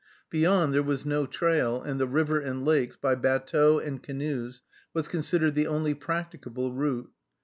Beyond, there was no trail, and the river and lakes, by batteaux and canoes, was considered the only practicable route.